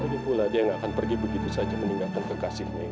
lagipula dia gak akan pergi begitu saja meninggalkan kekasihnya itu